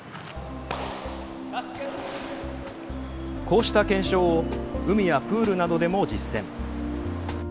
こうした検証を海やプールなどでも実践。